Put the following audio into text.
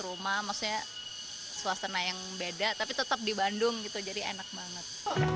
rumah maksudnya suasana yang beda tapi tetap di bandung gitu jadi enak banget